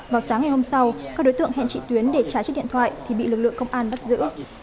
vào sáng ngày hôm sau các đối tượng hẹn chị tuyến để trái trên điện thoại thì bị lực lượng công an bắt giữ